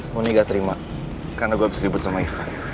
mondi gak terima karena gue habis libut sama ivan